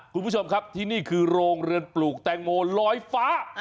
คุณผู้ชมครับที่นี่คือโรงเรือนปลูกแตงโมลอยฟ้า